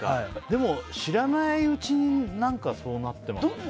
でも、知らないうちにそうなってますよね。